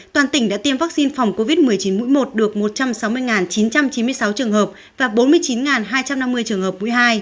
toàn tỉnh đã tiêm vaccine phòng covid một mươi chín mũi một được một trăm sáu mươi chín trăm chín mươi sáu trường hợp và bốn mươi chín hai trăm năm mươi trường hợp mũi hai